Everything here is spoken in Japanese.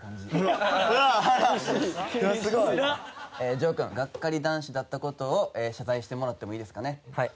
丈くんがっかり男子だった事を謝罪してもらってもいいですかね。